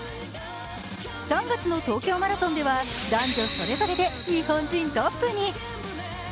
２月の東京マラソンでは男女それぞれで日本人トップに。